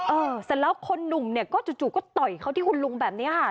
เสร็จแล้วคนหนุ่มเนี่ยก็จู่ก็ต่อยเขาที่คุณลุงแบบนี้ค่ะ